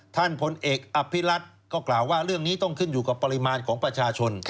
พลเอกอภิรัตก็กล่าวว่าเรื่องนี้ต้องขึ้นอยู่กับปริมาณของประชาชน